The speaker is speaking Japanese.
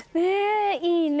いいね！